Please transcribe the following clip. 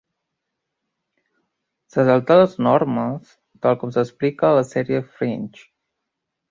Se saltà les normes tal com s'explica a la sèrie “Fringe”.